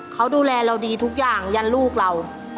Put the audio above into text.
เขาดูแลเราดีทุกอย่างยันลูกเรา